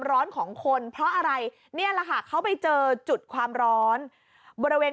ร้อนของคนเพราะอะไรนี่แหละค่ะเขาไปเจอจุดความร้อนบริเวณ